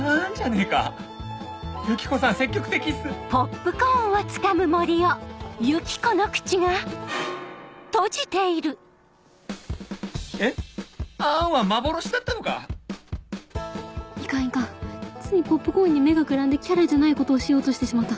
いかんいかんついポップコーンに目がくらんでキャラじゃないことをしようとしてしまった